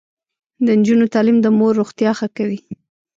د نجونو تعلیم د مور روغتیا ښه کوي.